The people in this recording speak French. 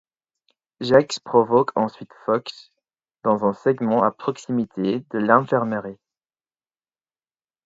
Jax provoque ensuite Fox dans un segment à proximité de l'infirmerie.